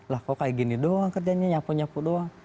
lah kok kayak gini doang kerjanya nyapu nyapu doang